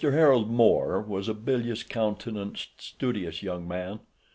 Harold Moore was a bilious countenanced, studious young man.